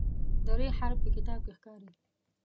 د "ر" حرف په کتاب کې ښکاري.